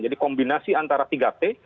jadi kombinasi antara tiga t